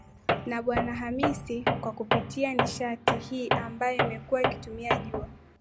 na bwana hamisi kwa kupitia nishati hii ambayo imekuwa ikitumia jua